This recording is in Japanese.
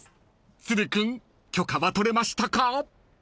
［都留君許可は取れましたか？］